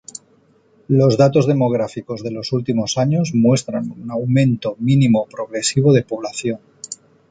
Los datos demográficos de los últimos años muestran un aumento mínimo progresivo de población.